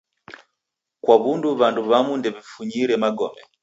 Kwa w'undu w'andu w'amu ndew'ifunyire magome